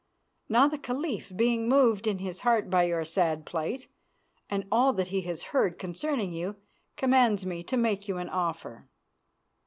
Now the Caliph, being moved in his heart by your sad plight and all that he has heard concerning you, commands me to make you an offer.